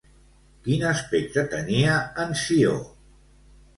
Quin aspecte tenia en Ció?